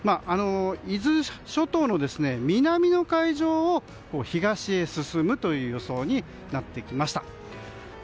伊豆諸島の南の海上を東へ進むという予想になってきました。